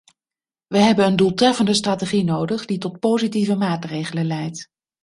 We hebben een doeltreffende strategie nodig die tot positieve maatregelen leidt.